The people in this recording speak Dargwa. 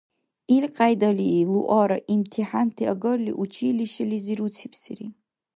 Илкьяйдали Луара имтихӀянти агарли, училищелизи руцибсири.